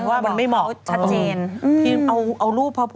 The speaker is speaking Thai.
ว่ามันไม่เหมาะ